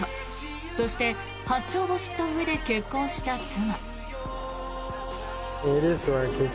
そして、発症を知ったうえで結婚した妻。